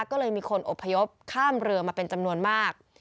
ก็เลยมีคนอบพยพข้ามเรือมาเป็นจำนวนมาก